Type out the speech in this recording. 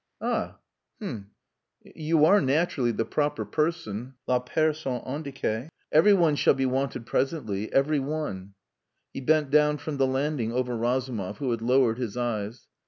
"Ah! h'm! You are naturally the proper person la personne indiquee. Every one shall be wanted presently. Every one." He bent down from the landing over Razumov, who had lowered his eyes.